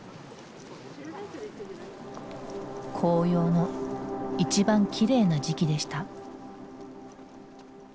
紅葉の一番きれいな時期でした。